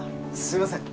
すいません